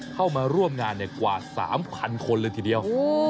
เข้ามาร่วมงานกว่า๓๐๐คนเลยทีเดียว